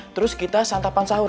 terus kita santapan sahur